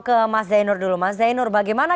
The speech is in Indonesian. ke mas zainur dulu mas zainur bagaimana